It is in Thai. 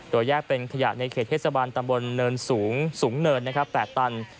โดยแยกเป็นขยะในเขตเทศบาลตำบลเนินสูงสูงเนิน๘ตัน